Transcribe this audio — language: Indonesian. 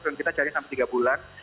kita cari sampai tiga bulan